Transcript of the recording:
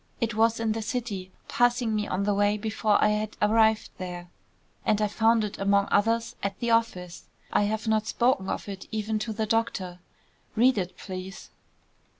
It was in the city, passing me on the way, before I had arrived here, and I found it, among others, at the office. I have not spoken of it even to the doctor. Read it, please."